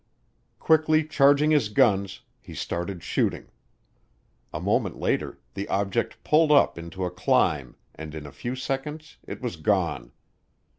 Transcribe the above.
Quickly charging his guns, he started shooting. ... A moment later the object pulled up into a climb and in a few seconds it was gone.